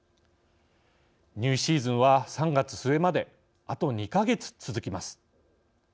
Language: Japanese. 入試シーズンは、３月末まであと２か月続きます。